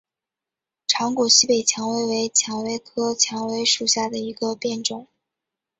长果西北蔷薇为蔷薇科蔷薇属下的一个变种。